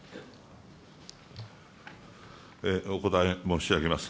お答え申し上げます。